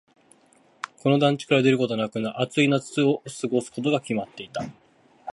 この団地から出ることなく、暑い夏を過ごすことが決まっていた。